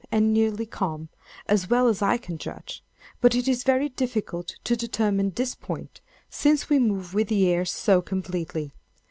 and nearly calm, as well as I can judge—but it is very difficult to determine this point, since we move with the air so completely.